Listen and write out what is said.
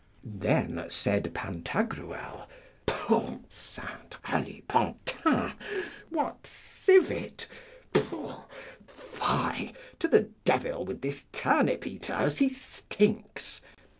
Then, said Pantagruel, St. Alipantin, what civet? Fie! to the devil with this turnip eater, as he stinks!